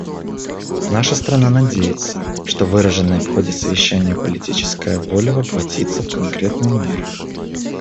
Наша страна надеется, что выраженная в ходе Совещания политическая воля воплотится в конкретные меры.